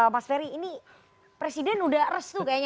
mas ferry ini presiden udah restu kayaknya